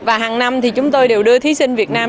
và hàng năm thì chúng tôi đều đưa thí sinh việt nam